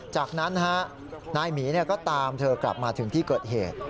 จากนั้นนายหมีก็ตามเธอกลับมาถึงที่เกิดเหตุ